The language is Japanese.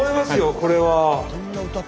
これは。